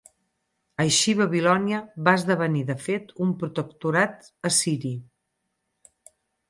Així Babilònia va esdevenir de fet un protectorat assiri.